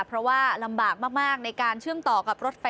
เพราะว่าลำบากมากในการเชื่อมต่อกับรถไฟ